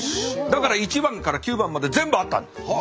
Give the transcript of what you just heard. だから１番から９番まで全部あったんです！